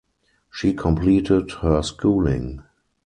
She completed her schooling.